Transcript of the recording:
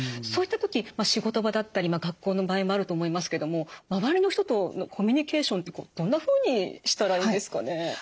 そういった時仕事場だったり学校の場合もあると思いますけども周りの人とのコミュニケーションってどんなふうにしたらいいんですかね？